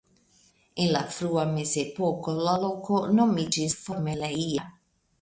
En la frua Mezepoko la loko nomiĝis Formelleia.